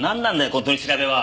この取り調べは！